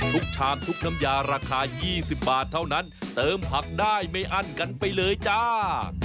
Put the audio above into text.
ชามทุกน้ำยาราคา๒๐บาทเท่านั้นเติมผักได้ไม่อั้นกันไปเลยจ้า